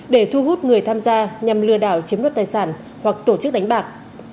để thu hút người tham gia nhằm lừa đảo chiếm đoạt tài sản hoặc tổ chức đánh bạc